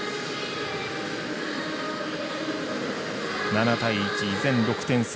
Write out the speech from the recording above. ７対１、依然６点差。